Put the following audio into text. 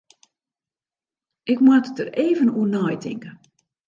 Ik moat der even oer neitinke.